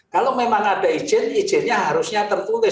kalau memang ada izin izinnya harusnya tertulis